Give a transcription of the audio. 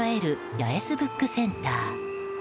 八重洲ブックセンター。